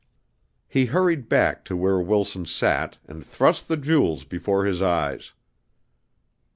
He hurried back to where Wilson sat and thrust the jewels before his eyes.